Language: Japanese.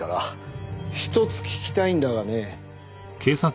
ひとつ聞きたいんだがね。